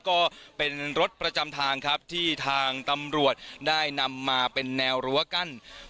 ก็เป็นรถประจำทางครับที่ทางตำรวจได้นำมาเป็นแนวรั้วกั้น